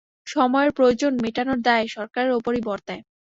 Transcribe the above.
সময়ের প্রয়োজন মেটানোর দায় সরকারের ওপরই বর্তায়।